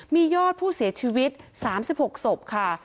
มียอดผู้เสียชีวิต๓๖ศพค่ะ